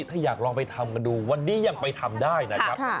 ถ้าอยากลองไปทำกันดูวันนี้ยังไปทำได้นะครับ